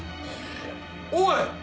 おい！